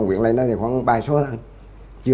yến may được không chú